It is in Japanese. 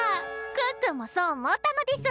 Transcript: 可可もそう思ったのデス！